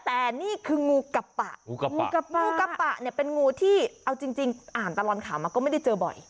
แต่นี่คืองูกระปะงูกระปะเนี่ยเป็นงูที่เอาจริงอ่านตลอดข่าวมาก็ไม่ได้เจอบ่อย